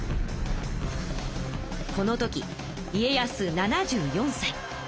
この時家康７４さい。